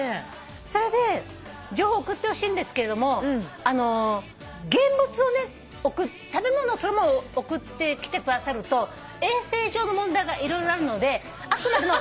それで情報送ってほしいんですけれども現物をね食べ物をそのまま送ってきてくださると衛生上の問題が色々あるのであくまでも。